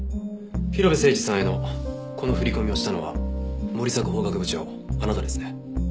広辺誠児さんへのこの振り込みをしたのは森迫法学部長あなたですね？